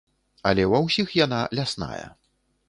Але ва ўсіх яна лясная.